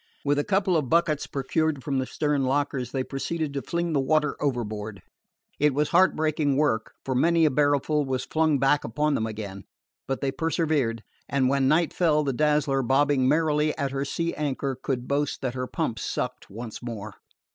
With a couple of buckets procured from the stern lockers, they proceeded to fling the water overboard. It was heartbreaking work, for many a barrelful was flung back upon them again; but they persevered, and when night fell the Dazzler, bobbing merrily at her sea anchor, could boast that her pumps sucked once more.